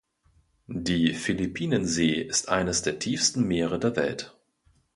Die Philippinensee ist eines der tiefsten Meere der Welt.